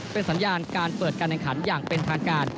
เป็นสัญญาณการเปิดการแข่งขันอย่างเป็นทางการ